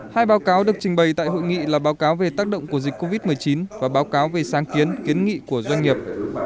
hai báo cáo được trình bày tại hội nghị là báo cáo về tác động của dịch covid một mươi chín và báo cáo về sáng kiến kiến nghị của doanh nghiệp